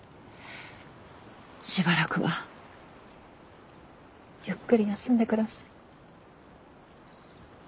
しばらくはゆっくり休んで下さい。